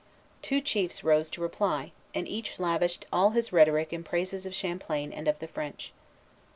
Two chiefs rose to reply, and each lavished all his rhetoric in praises of Champlain and of the French.